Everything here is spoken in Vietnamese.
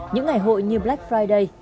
những ngày hội như black friday